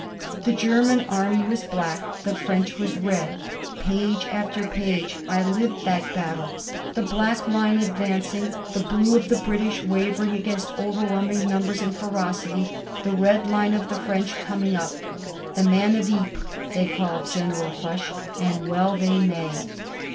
The German Army was black. The French was red. Page after page I lived that battle, the black line advancing, the blue of the British wavering against overwhelming numbers and ferocity, the red line of the French coming up. "The Man of Ypres," they call General Foch, and well they may.